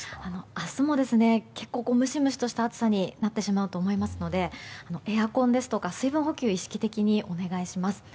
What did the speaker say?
明日も結構ムシムシとした暑さになってしまうと思いますのでエアコンですとか水分補給を意識的にお願いします。